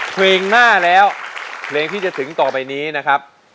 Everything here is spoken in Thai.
เพลงหน้าแล้วเพลงที่จะถึงต่อไปนี้นะครับ